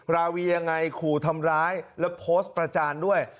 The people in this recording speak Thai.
ราวียังไงขู่ทำร้ายแล้วโพสต์ประจานด้วย